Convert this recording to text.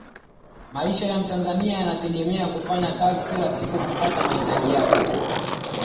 maisha ya mtanzania yanategemea kufanya kazi kila siku kupata mahitaji yake